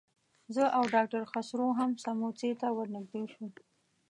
زه او ډاکټر خسرو هم سموڅې ته ورنږدې شو.